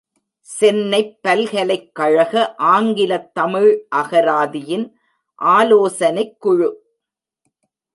சென்னைப் பல்கலைக்கழக ஆங்கிலத் தமிழ் அகராதியின் ஆலோசனைக் குழு.